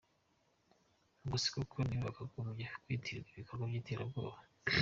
Ubwo se koko niwe wakagombye kwitirirwa ibikorwa by’ iterabwoba?